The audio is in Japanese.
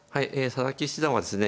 佐々木七段はですね